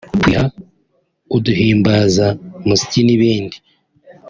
kwiha uduhimbazamusyi n’ibindi